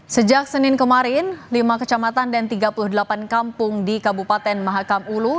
sejak senin kemarin lima kecamatan dan tiga puluh delapan kampung di kabupaten mahakam ulu